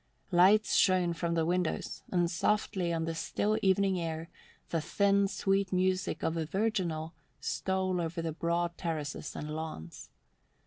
Lights shone from the windows and softly on the still evening air the thin, sweet music of a virginal stole over the broad terraces and lawns.